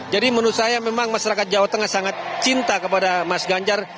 menurut saya memang masyarakat jawa tengah sangat cinta kepada mas ganjar